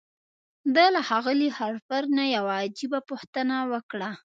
ده له ښاغلي هارپر نه يوه عجيبه پوښتنه وکړه.